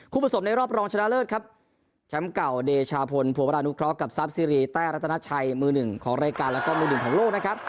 ผสมในรอบรองชนะเลิศครับแชมป์เก่าเดชาพลภัวรานุเคราะห์กับทรัพย์ซีรีแต้รัตนาชัยมือหนึ่งของรายการแล้วก็มือหนึ่งของโลกนะครับ